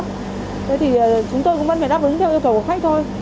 thế thì chúng tôi cũng vẫn phải đáp ứng theo yêu cầu của khách thôi